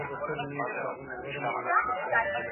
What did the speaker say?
د غوايی خواته ور څېرمه ګام په ګام سو !.